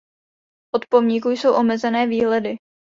Od pomníku jsou omezené výhledy.